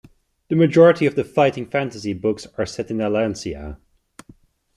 The majority of the "Fighting Fantasy" books are set in Allansia.